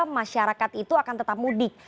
masyarakat itu akan tetap mudik